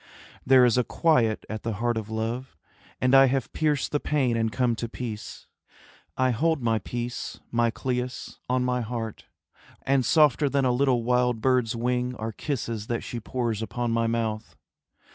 There is a quiet at the heart of love, And I have pierced the pain and come to peace. I hold my peace, my Cleis, on my heart; And softer than a little wild bird's wing Are kisses that she pours upon my mouth.